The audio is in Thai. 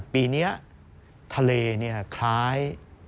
ปีนี้ทะเลคล้าย